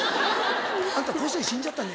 あんた個性死んじゃったね。